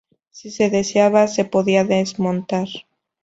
Si se deseaba se podía desmontar.